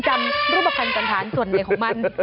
จำรูปภัณฑ์ก่อนท้านส่วนในของมัน